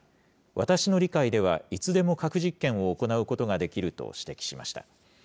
私の理解では、いつでも核実験を行うことができると指摘しました。